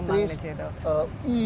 itu bisa berkembang di situ